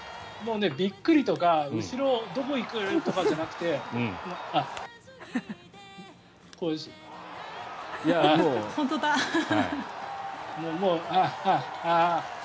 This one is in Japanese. びっくりとか後ろ、どこ行く？とかじゃなくてもう、あっ。